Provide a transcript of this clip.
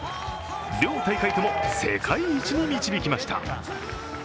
両大会とも世界一に導きました。